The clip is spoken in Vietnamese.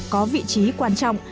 có vị trí quan trọng